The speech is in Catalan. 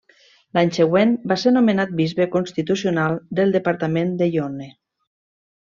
L'any següent va ser nomenat bisbe constitucional del departament de Yonne.